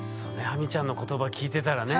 ハミちゃんの言葉聞いてたらね。